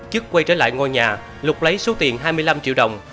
chức quay trở lại ngôi nhà lục lấy số tiền hai mươi năm triệu đồng